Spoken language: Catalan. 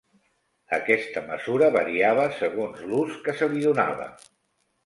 Aquesta mesura variava segons l'ús que se li donava.